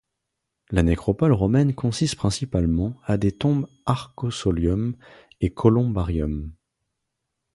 La nécropole romaine consiste principalement à des tombes arcosolium et columbariums.